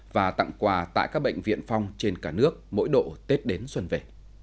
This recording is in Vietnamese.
và tặng quà tại các bệnh viện phong trên cả nước mỗi độ tết đến xuân về